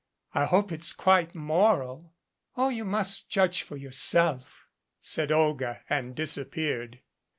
"I hope it's quite moral." "Oh, you must judge for yourself," said Olga, and disappeared.